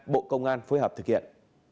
bộ công an phối hợp thực hiện